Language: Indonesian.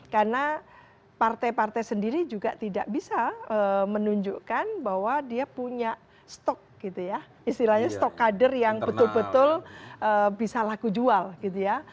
karena partai partai sendiri juga tidak bisa menunjukkan bahwa dia punya stok gitu ya istilahnya stok kader yang betul betul bisa laku jual gitu ya